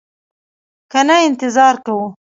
که نه انتظار کوو.